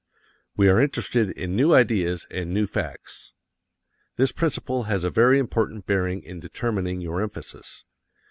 We are interested in new ideas and new facts. This principle has a very important bearing in determining your emphasis.